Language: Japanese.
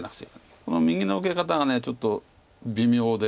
この右の受け方がちょっと微妙で。